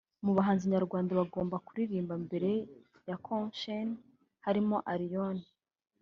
Mu bahanzi nyarwanda bagombaga kuririmba mbere ya Konshens harimo Allioni